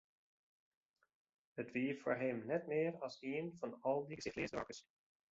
It wie foar him net mear as ien fan al dy gesichtleaze doarpkes.